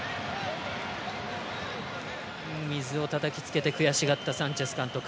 水をたたきつけて悔しがったサンチェス監督。